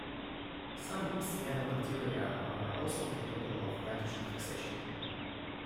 Some cyanobacteria are also capable of nitrogen fixation.